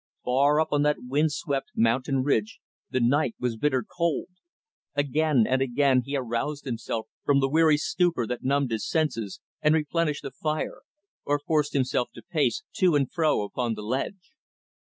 Far up on that wind swept, mountain ridge, the night was bitter cold. Again and again he aroused himself from the weary stupor that numbed his senses, and replenished the fire, or forced himself to pace to and fro upon the ledge.